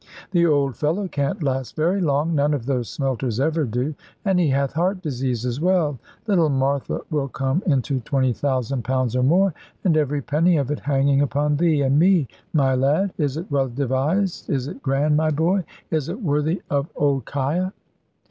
The old fellow can't last very long: none of those smelters ever do, and he hath heart disease as well. Little Martha will come into £20,000 or more, and every penny of it hanging upon thee, and me, my lad. Is it well devised, is it grand, my boy; is it worthy of old 'Kiah?"